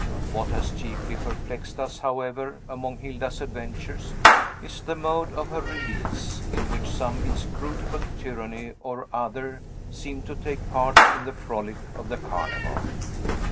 What has chiefly perplexed us, however, among Hilda's adventures, is the mode of her release, in which some inscrutable tyranny or other seemed to take part in the frolic of the Carnival.